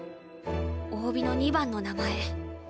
大尾の２番の名前。